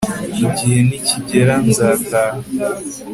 igihe nikigera nzataha